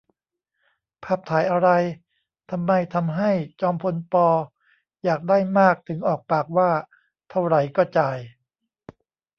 ภาพถ่ายอะไร ? ทำไมทำให้จอมพล ป. อยากได้มากถึงออกปากว่า เท่าไหร่ก็จ่าย